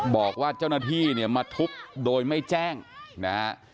บอกว่าเจ้าหน้าที่เนี่ยมาทุบโดยไม่แจ้งนะฮะ